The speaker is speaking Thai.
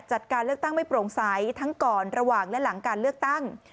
จัดการเลือกตั้งไม่โปร่งใสทั้งก่อนระหว่างและหลังการเลือกตั้ง